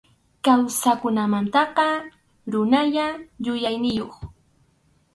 Kawsaqkunamantaqa runallam yuyayniyuq.